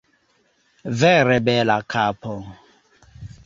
Vere bela kapo.